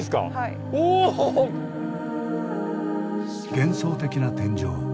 幻想的な天井。